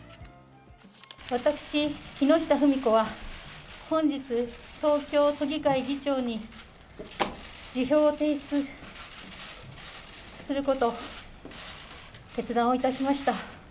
私、木下富美子は本日東京都議会議長に辞表を提出すること、決断をいたしました。